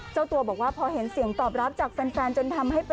เจ้าตัวบอกว่าพอเห็นเสียงตอบรับจากแฟน